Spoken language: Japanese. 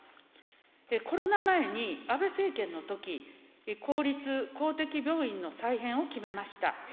コロナ前に安倍政権のとき、公立・公的病院の再編を決めました。